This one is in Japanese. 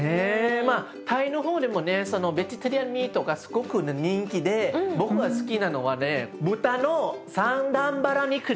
まあタイの方でもねそのベジタリアンミートがすごく人気で僕が好きなのはねえっ？